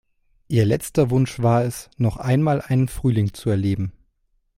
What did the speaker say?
Ihr letzter Wunsch war es, noch einmal einen Frühling zu erleben.